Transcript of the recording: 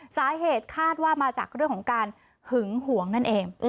สาเหตุคาดว่ามาจากเรื่องของการหึงหวงนั่นเอง